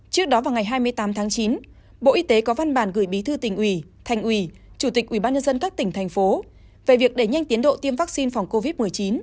trước đó vào ngày hai mươi tám tháng chín bộ y tế có văn bản gửi bí thư tỉnh ủy thành ủy chủ tịch ubnd các tỉnh thành phố về việc đẩy nhanh tiến độ tiêm vaccine phòng covid một mươi chín